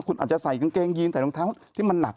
คุณอาจจะใส่กางเกงยีนใส่รองเท้าที่มันหนัก